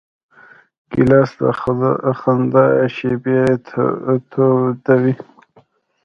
ګیلاس د خندا شېبې تودوي.